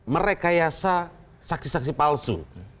merekayasa saksi saksi palsu